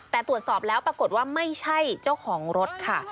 แต่ตรวจสอบแล้วปรากฏว่าไม่ใช่เจ้าของรถค่ะ